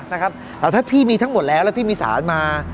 ถ้าพี่มีทั้งหมดแล้วแล้วพี่มีสารมา